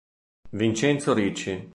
Vincenzo Ricci